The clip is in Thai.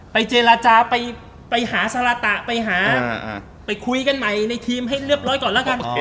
เจรจาไปหาสารตะไปหาไปคุยกันใหม่ในทีมให้เรียบร้อยก่อนแล้วกัน